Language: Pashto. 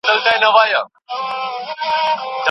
زعفران زموږ خپل وطني تولید دی.